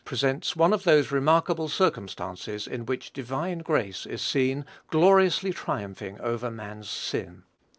Presents one of those remarkable circumstances in which divine grace is seen gloriously triumphing over man's sin.